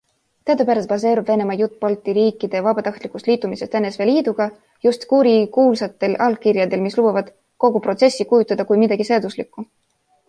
Teadupärast baseerub Venemaa jutt Balti riikide vabatahtlikust liitumisest NSV Liiduga just kurikuulsatel allkirjadel, mis lubavad kogu protsessi kujutada kui midagi seaduslikku.